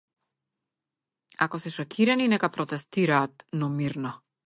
Ако се шокирани, нека протестираат, но мирно.